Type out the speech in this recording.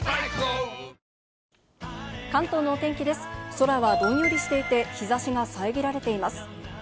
空はどんよりしていて、日差しが遮られています。